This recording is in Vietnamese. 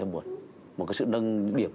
buồn một cái sự nâng điểm